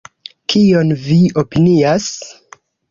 Kion vi opinias?